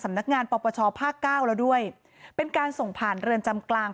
นักงานปปชภาคเก้าแล้วด้วยเป็นการส่งผ่านเรือนจำกลาง